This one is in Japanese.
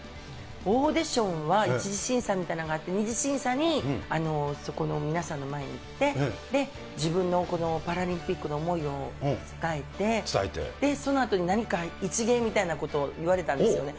オーディションは、１次審査みたいなのがあって、１次審査に、そこの皆さんの前に行って、自分のこのパラリンピックの思いを伝えて、そのあとに何か一芸みたいなことをって言われたんですよね。